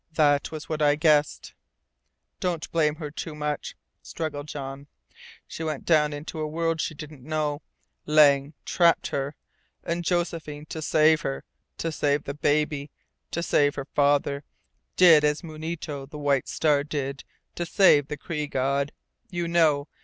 "That was what I guessed!" "Don't blame her too much," struggled Jean. "She went down into a world she didn't know. Lang trapped her. And Josephine, to save her, to save the baby, to save her father did as Munito the White Star did to save the Cree god. You know.